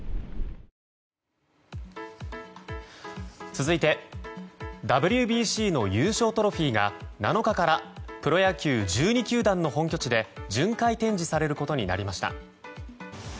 続いてＷＢＣの優勝トロフィーが７日からプロ野球１２球団の本拠地で巡回展示されることになりました。